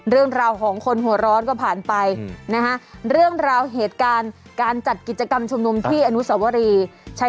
เรื่องราวของคนหัวร้อนก็ผ่านไปนะฮะเรื่องราวเหตุการณ์การจัดกิจกรรมชุมนุมที่อนุสวรีใช้